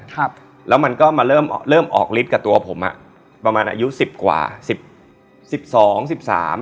ครับแล้วมันก็มาเริ่มเริ่มออกฤทธิ์กับตัวผมอ่ะประมาณอายุสิบกว่าสิบสิบสองสิบสาม